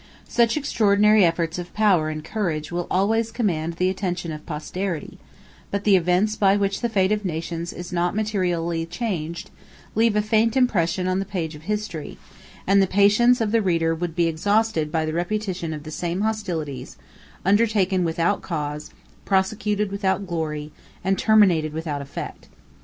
1 Such extraordinary efforts of power and courage will always command the attention of posterity; but the events by which the fate of nations is not materially changed, leave a faint impression on the page of history, and the patience of the reader would be exhausted by the repetition of the same hostilities, undertaken without cause, prosecuted without glory, and terminated without effect.